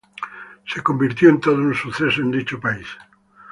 Se convirtió en todo un suceso en dicho país.